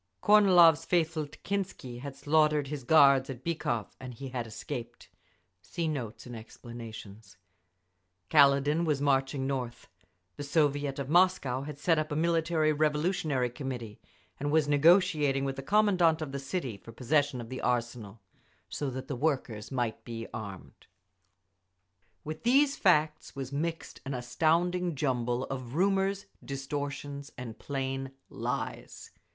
Kornilov's faithful Tekhintsi had slaughtered his guards at Bykhov, and he had escaped. Kaledin was marching north…. The Soviet of Moscow had set up a Military Revolutionary Committee, and was negotiating with the commandant of the city for possession of the arsenal, so that the workers might be armed. See Notes and Explanations. With these facts was mixed an astounding jumble of rumours, distortions, and plain lies.